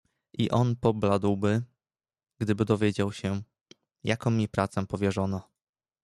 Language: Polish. "I on pobladłby, gdyby dowiedział się, jaką mi pracę powierzono."